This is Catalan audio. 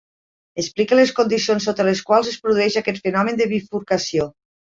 Explica les condicions sota les quals es produeix aquest fenomen de bifurcació.